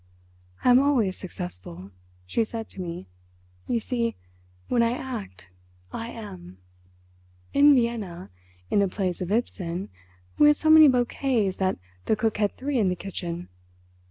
"I am always successful," she said to me. "You see, when I act I am. In Vienna, in the plays of Ibsen we had so many bouquets that the cook had three in the kitchen.